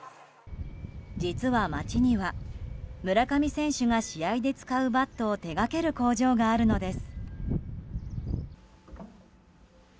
実は、町には村上選手が試合で使うバットを手がける工場があるのです。